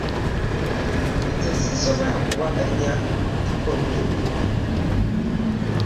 Nze sisobola kuwakanya bikolwa byo.